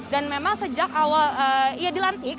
dan memang sejak awal iya dilantik